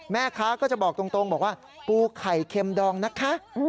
แม่ค้าก็จะบอกตรงบอกว่าปูไข่เค็มดองนะคะ